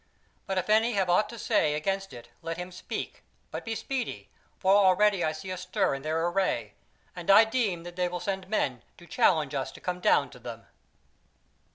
But if any have aught to say against it let him speak, but be speedy; for already I see a stir in their array, and I deem that they will send men to challenge us to come down to them."